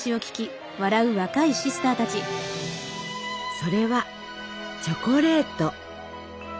それはチョコレート。